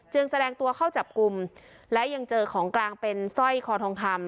แสดงตัวเข้าจับกลุ่มและยังเจอของกลางเป็นสร้อยคอทองคำ